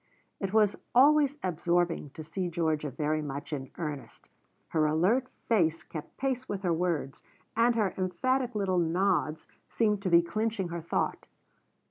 It was always absorbing to see Georgia very much in earnest. Her alert face kept pace with her words, and her emphatic little nods seemed to be clinching her thought.